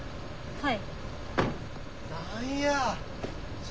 はい。